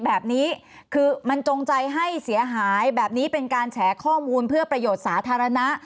แบบนี้คือมันจงใจให้เสียหายแบบนี้เป็นการแฉข้อมูลเพื่อประโยชน์สาธารณะ